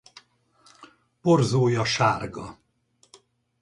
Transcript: Porzója sárga.